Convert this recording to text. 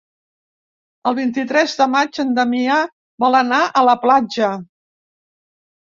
El vint-i-tres de maig en Damià vol anar a la platja.